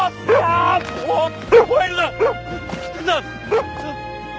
あっ。